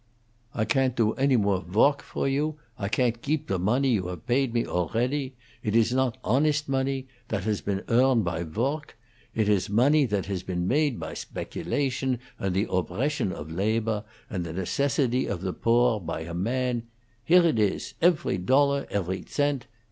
I can't do any more voark for you; and I can't geep the mawney you haf baid me a'ready. It iss not hawnest mawney that hass been oarned py voark; it iss mawney that hass peen mate py sbeculation, and the obbression off lapor, and the necessity of the boor, py a man Here it is, efery tollar, efery zent.